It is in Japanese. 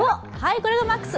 これがマックス。